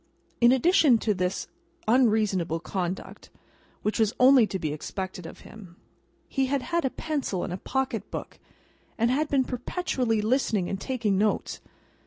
In addition to this unreasonable conduct (which was only to be expected of him), he had had a pencil and a pocket book, and had been perpetually listening and taking notes.